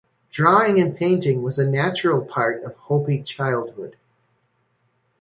Drawing and painting was a natural part of Hopi childhood.